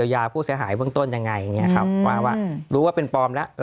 ยาวผู้เสียหายเบื้องต้นยังไงว่ารู้ว่าเป็นปลอมแล้ว